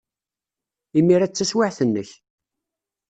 Imir-a d taswiɛt-nnek.